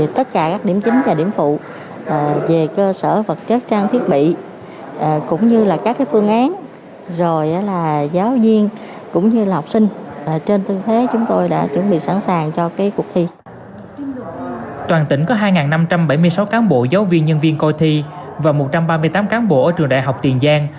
toàn tỉnh có hai năm trăm bảy mươi sáu cán bộ giáo viên nhân viên coi thi và một trăm ba mươi tám cán bộ ở trường đại học tiền giang